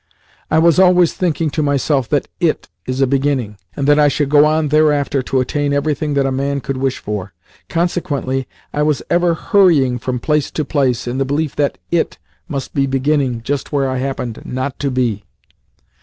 I was always thinking to myself that "IT is beginning," and that I should go on thereafter to attain everything that a man could wish for. Consequently, I was for ever hurrying from place to place, in the belief that "IT" must be "beginning" just where I happened not to be.